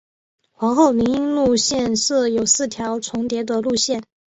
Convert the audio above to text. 皇后林荫路线设有四条重叠的路线。